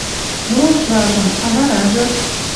Моаш важым, а варажы